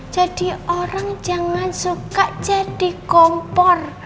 jadi orang jangan suka jadi kompor